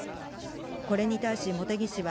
これに対し、茂木氏は、